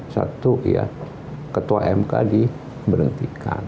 satu ya ketua mk diberhentikan